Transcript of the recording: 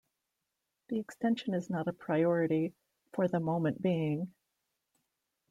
The extension is not a priority, for the moment being.